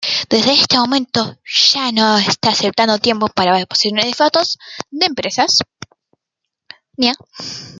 Desde ese momento, ya no está aceptando tiempo para sesiones de fotos impresas.